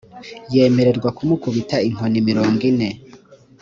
yemererwa kumukubita inkoni mirongo ine